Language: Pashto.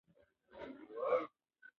خاموشي د ده د ژوند یوه نوې او رڼه پاڼه شوه.